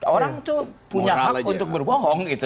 orang tuh punya hak untuk berbohong